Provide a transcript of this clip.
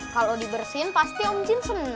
kalau dibersihin pasti om zin seneng